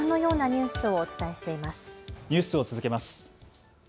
ニュースを続けます。